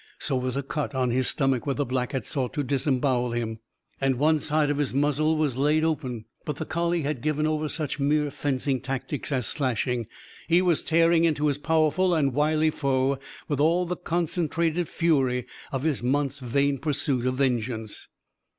So was a cut on his stomach, where the Black had sought to disembowel him. And one side of his muzzle was laid open. But the collie had given over such mere fencing tactics as slashing. He was tearing into his powerful and wily foe with all the concentrated fury of his month's vain pursuit of vengeance.